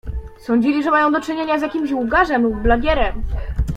"Sądzili, iż mają do czynienia z jakimś łgarzem lub blagierem!"